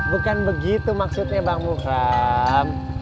bukan begitu maksudnya bang mukram